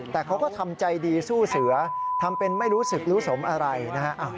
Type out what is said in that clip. แต่เขาก็ทำใจดีสู้เสือทำเป็นไม่รู้สึกรู้สมอะไรนะฮะ